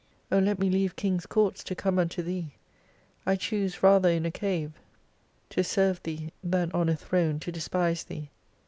O let me leave Kings' Courts to come unto Thee, I choose rather in a Cave to serve 66 Thee, than on a throne to despise Thee.